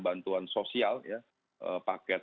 bantuan sosial paket